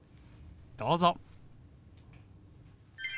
どうぞ。